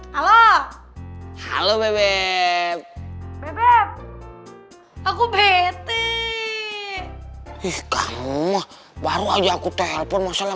halo halo beck beber aku bete is language baru ajak ke telpon necessarily